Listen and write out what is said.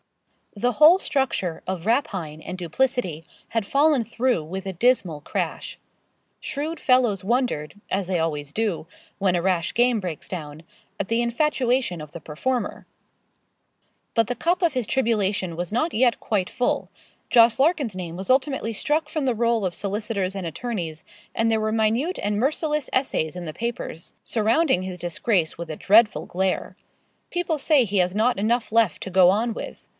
The whole structure of rapine and duplicity had fallen through with a dismal crash. Shrewd fellows wondered, as they always do, when a rash game breaks down, at the infatuation of the performer. But the cup of his tribulation was not yet quite full. Jos. Larkin's name was ultimately struck from the roll of solicitors and attorneys, and there were minute and merciless essays in the papers, surrounding his disgrace with a dreadful glare. People say he has not enough left to go on with.